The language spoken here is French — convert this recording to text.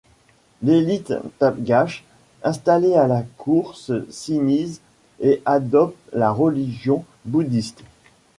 L'élite Tabghach installée à la cour se sinise et adopte la religion bouddhiste.